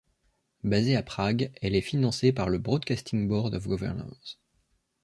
Basée à Prague, elle est financée par le Broadcasting Board of Governors.